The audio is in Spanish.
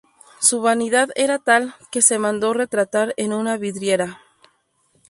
Su vanidad era tal, que se mandó retratar en una vidriera.